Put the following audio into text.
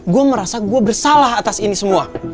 gue merasa gue bersalah atas ini semua